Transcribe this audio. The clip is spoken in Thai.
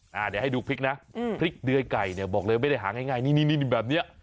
เดี๋ยวให้ดูพริกนะพริกเดือยไก่เนี่ยบอกเลยไม่ได้หาง่ายนี่นี่แบบเนี้ย